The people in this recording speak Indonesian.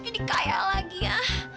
apus jadi kaya lagi ya